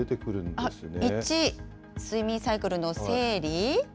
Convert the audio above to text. １、睡眠サイクルの整理。